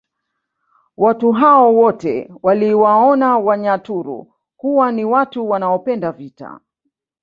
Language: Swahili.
Watu hao wote waliwaona Wanyaturu kuwa ni watu wanaopenda vita